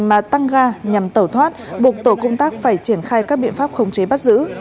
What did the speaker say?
mà tăng ga nhằm tẩu thoát buộc tổ công tác phải triển khai các biện pháp khống chế bắt giữ